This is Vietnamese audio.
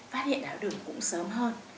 phát hiện tài thao đường cũng sớm hơn